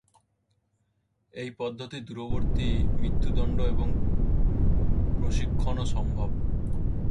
এই পদ্ধতিতে দূরবর্তী মৃত্যুদন্ড এবং প্রশিক্ষণও সম্ভব।